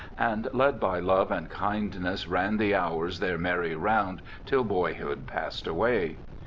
And led by love and kindness, ran the hours Their merry round till boyhood passed away.